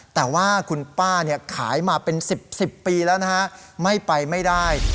แต่ว่าคุณป้าเนี่ยขายมาเป็น๑๐๑๐ปีแล้วนะฮะไม่ไปไม่ได้